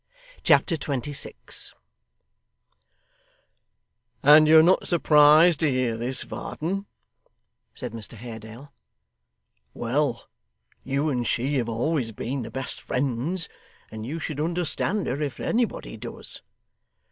Chapter 26 'And you're not surprised to hear this, Varden?' said Mr Haredale. 'Well! You and she have always been the best friends, and you should understand her if anybody does.